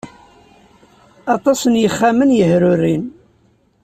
Aṭas n yexxamen yehrurin.